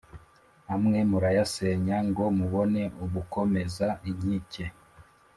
amwe murayasenya, ngo mubone ubukomeza inkike.